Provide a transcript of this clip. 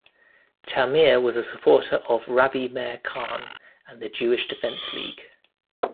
Tamir was a supporter of Rabbi Meir Kahane and the Jewish Defense League.